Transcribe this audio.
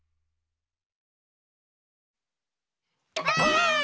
ばあっ！